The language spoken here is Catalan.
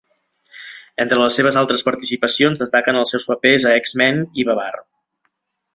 Entre les seves altres participacions, destaquen els seus papers a "X-Men" i "Babar".